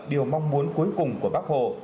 điều mong muốn cuối cùng của bác hồ